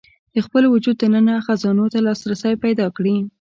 د خپل وجود دننه خزانو ته لاسرسی پيدا کړي.